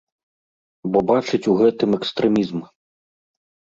Бо бачыць у гэтым экстрэмізм.